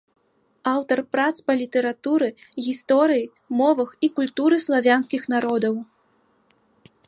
Аўтар прац па літаратуры, гісторыі, мовах і культуры славянскіх народаў.